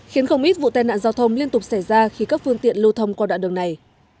khiến không ít vụ tai nạn giao thông liên tục xảy ra khi các phương tiện lưu thông qua đoạn đường này